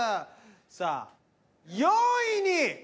さあ４位に。